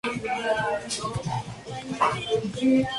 Su hábitat se compone de bosque subtropical y tropical.